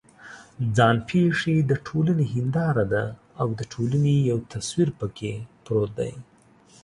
ځان پېښې د ټولنې هنداره ده او د ټولنې یو تصویر پکې پروت دی.